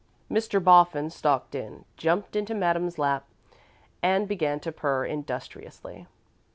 Mr. Boffin stalked in, jumped into Madame's lap, and began to purr industriously.